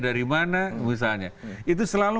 dari mana misalnya itu selalu